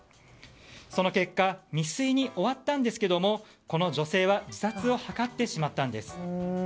その結果未遂に終わったんですけれどもこの女性は自殺を図ってしまったんです。